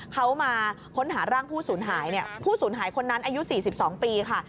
เขามาค้นหาร่างผู้สูญหายเนี่ยผู้สูญหายคนนั้นอายุ๔๒ปีค่ะ